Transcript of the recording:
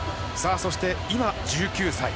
そして今、１９歳。